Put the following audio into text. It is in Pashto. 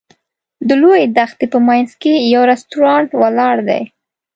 د لویې دښتې په منځ کې یو رسټورانټ ولاړ دی.